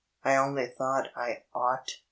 I only thought I ought K).